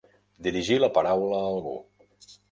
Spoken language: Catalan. Dirigir la paraula a algú.